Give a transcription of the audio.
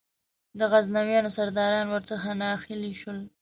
د غزنویانو سرداران ور څخه ناهیلي شول.